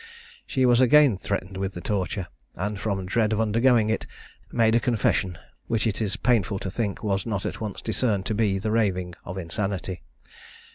She was again threatened with the torture; and, from dread of undergoing it, made a confession, which it is painful to think was not at once discerned to be the raving of insanity.